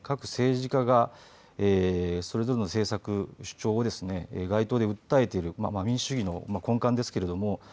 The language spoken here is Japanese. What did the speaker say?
各政治家がそれぞれの政策、主張を街頭で訴えている民主主義の根幹ですけれども。